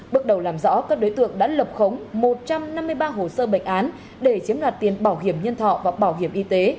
bước đầu làm rõ các đối tượng đã lập khống một trăm năm mươi ba hồ sơ bệnh án để chiếm đoạt tiền bảo hiểm nhân thọ và bảo hiểm y tế